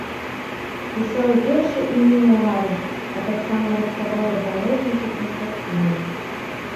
Пісаў вершы і мемуары, а таксама рыхтаваў дапаможнікі для спартсменаў.